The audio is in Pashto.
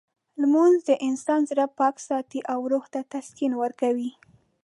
لمونځ د انسان زړه پاک ساتي او روح ته تسکین ورکوي.